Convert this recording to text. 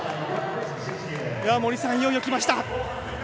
森さん、いよいよきました。